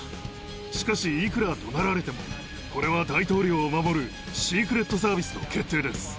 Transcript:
しかし、いくら怒鳴られても、これは大統領を守るシークレットサービスの決定です。